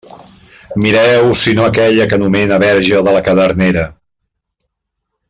Mireu si no aquella que anomena Verge de la cadernera.